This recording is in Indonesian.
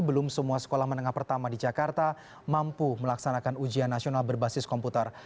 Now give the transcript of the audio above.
belum semua sekolah menengah pertama di jakarta mampu melaksanakan ujian nasional berbasis komputer